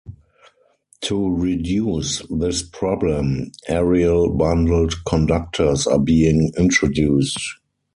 To reduce this problem, aerial bundled conductors are being introduced.